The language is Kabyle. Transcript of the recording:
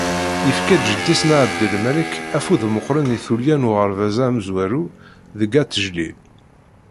Yefka jeddi-is n Ɛebdelmalek afud meqqren i tullya n uɣerbaz-a amezwaru deg At Jlil.